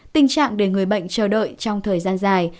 tình trạng để người bệnh chờ đợi trong thời gian dài